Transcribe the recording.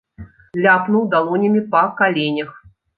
Ляпнуў далонямі па каленях.